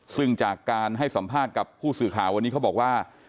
ซึ่งจากการให้สัมภาษณ์กับผู้สื่อข่าววันนี้เขาบอกว่า